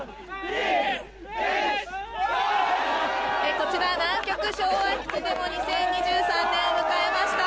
こちら南極昭和基地でも２０２３年を迎えました。